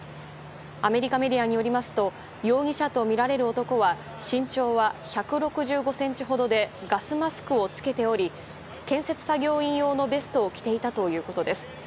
アメリカメディアによりますと容疑者とみられる男は身長は１６５ｃｍほどでガスマスクを着けており建設作業員用のベストを着ていたということです。